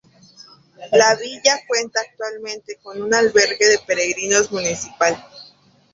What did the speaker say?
La villa cuenta actualmente con un albergue de peregrinos municipal.